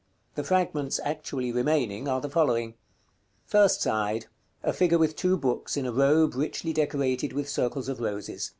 The fragments actually remaining are the following: First side. A figure with two books, in a robe richly decorated with circles of roses.